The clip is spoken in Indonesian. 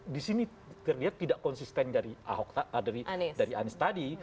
di sini terlihat tidak konsisten dari anies tadi